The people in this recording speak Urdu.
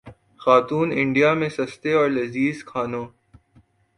خاتون انڈیا میں سستے اور لذیذ کھانوں